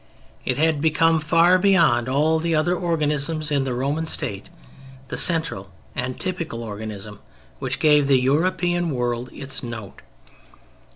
It had become, far beyond all other organisms in the Roman State, the central and typical organism which gave the European world its note.